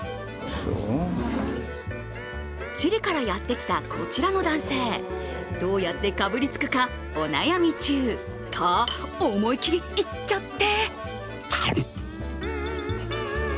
チリからやってきたこちの男性、どうやってかぶりつくかお悩み中、さあ、思い切りいっちゃって！